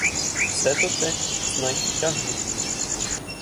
Все то те, знай, тягнуть.